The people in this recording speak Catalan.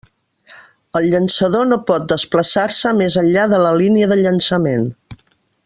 El llançador no pot desplaçar-se més enllà de la línia del llançament.